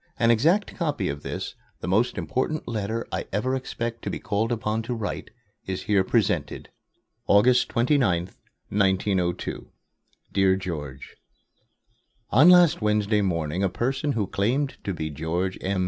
An exact copy of this the most important letter I ever expect to be called upon to write is here presented: AUGUST 29, 1902. DEAR GEORGE: On last Wednesday morning a person who claimed to be George M.